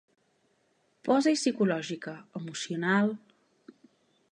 Posa-hi psicològica, emocional...